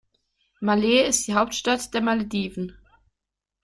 Malé ist die Hauptstadt der Malediven.